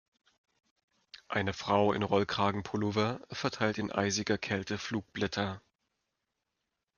Eine Frau in Rollkragenpullover verteilt in eisiger Kälte Flugblätter.